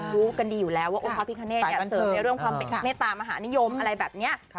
รู้กันดีอยู่แล้วว่าองค์พระพิคเนธเสริมในเรื่องความเป็นเมตตามหานิยมอะไรแบบนี้